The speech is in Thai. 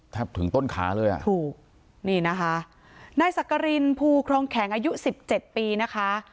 ถึงต้นขาเลยอ่ะถูกนี่นะคะนายสักกรินภูครองแข็งอายุสิบเจ็ดปีนะคะ